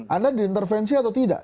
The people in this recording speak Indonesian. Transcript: anda diintervensi atau tidak